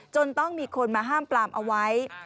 ต้องมีคนมาห้ามปลามเอาไว้